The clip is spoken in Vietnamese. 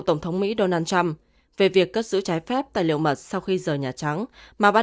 tổng thống mỹ donald trump về việc cất giữ trái phép tài liệu mật sau khi rời nhà trắng mà ban